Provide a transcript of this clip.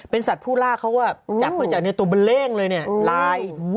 เป็นสัตว์ผู้ล่ากเขาว่าจับมือจากนี้ตัวเบลร์เร้งเลยลาย